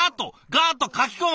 ガーッとかき込む！